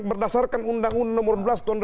berdasarkan undang undang nomor dua belas